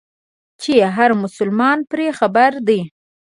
چې هر مسلمان پرې خبر دی.